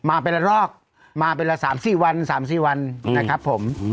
มาเป็นละรอกมาเป็นละ๓๔วัน๓๔วันนะครับผม